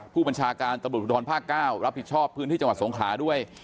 ผู้บัญชาการตำรวจภูทรภาค๙รับผิดชอบพื้นที่จังหวัดสงขลาด้วย